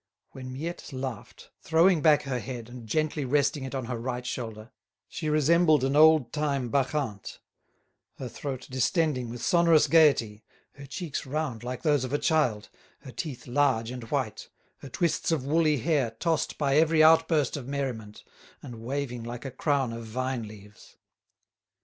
When Miette laughed, throwing back her head and gently resting it on her right shoulder, she resembled an old time Bacchante, her throat distending with sonorous gaiety, her cheeks round like those of a child, her teeth large and white, her twists of woolly hair tossed by every outburst of merriment, and waving like a crown of vine leaves.